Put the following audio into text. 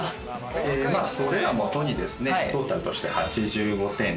それをもとにトータルとして８５点。